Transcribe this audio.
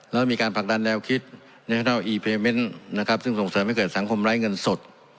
แล้วมีการผลักดันแนวคิดนะครับซึ่งส่งเสริมให้เกิดสังคมไร้เงินสด